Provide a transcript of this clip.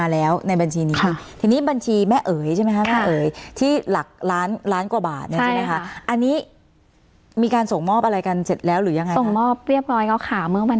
แล้วก็มีของคุณแคบใช่ไหมคะของคุณแคบนี้ก็คือรับตั้งแต่วันแรกเหมือนกัน